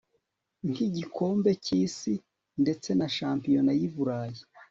nkigikombe cyisi ndetse na shampiyona yi Burayi